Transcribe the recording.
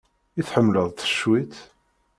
I tmellḥeḍ-t cwiṭ?